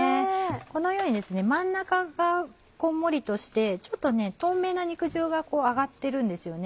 このようにですね真ん中がこんもりとしてちょっと透明な肉汁が上がってるんですよね。